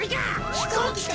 ひこうきか！？